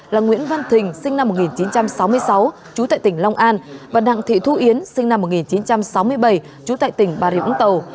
là nguyễn văn thình sinh năm một nghìn chín trăm sáu mươi sáu trú tại tỉnh long an và đặng thị thu yến sinh năm một nghìn chín trăm sáu mươi bảy trú tại tỉnh bà rịa úng tàu